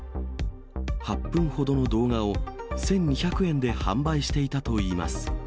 ８分ほどの動画を１２００円で販売していたといいます。